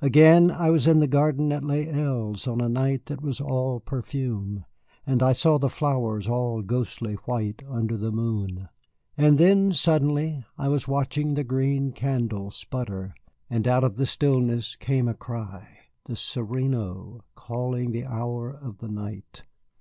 Again, I was in the garden at Les Îles on a night that was all perfume, and I saw the flowers all ghostly white under the moon. And then, suddenly, I was watching the green candle sputter, and out of the stillness came a cry the sereno calling the hour of the night.